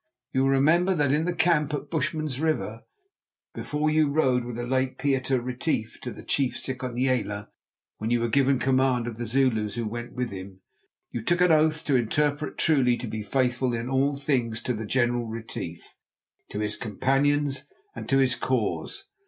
You will remember that in the camp at Bushman's River, before you rode with the late Pieter Retief to the chief Sikonyela, when you were given command of the Zulus who went with him, you took an oath to interpret truly and to be faithful in all things to the General Retief, to his companions and to his cause.